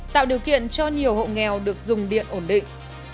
tạo điều kiện cho nhiều hộ nghèo được dùng điện ổn định